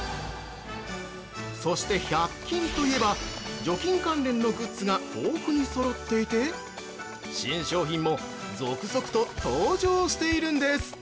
そして、１００均といえば除菌関連のグッズが豊富にそろっていて新商品も続々と登場しているんです！